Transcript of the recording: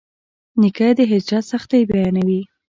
نیکه د هجرت سختۍ بیانوي.